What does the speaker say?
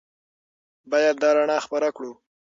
باید دا رڼا خپره کړو.